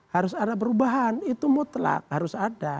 harus ada perubahan itu mutlak harus ada